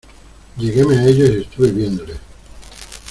lleguéme a ellos y estuve viéndoles.